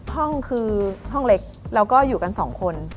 ห้องคือห้องเล็กแล้วก็อยู่กันสองคน